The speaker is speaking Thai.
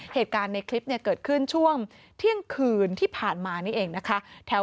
เหตุการณ์ในคลิปเนี่ยเกิดขึ้นช่วงเที่ยงคืนที่ผ่านมานี่เองนะคะ